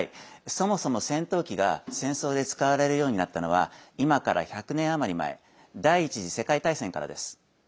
そもそも、戦闘機が戦争で使われるようになったのは今から１００年余り前第１次世界大戦からです。